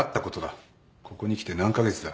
ここに来て何カ月だ？